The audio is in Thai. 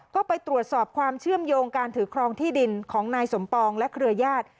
ก็ไปตรวจสอบความเชื่อมโยงการถือครองที่ดินของนายสมปองและเครือญาติ